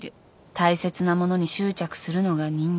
大切なものに執着するのが人間。